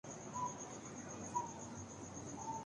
ایک اور بات کا ذکر شاید ضروری ہے۔